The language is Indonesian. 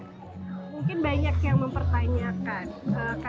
mungkin banyak yang mempertanyakan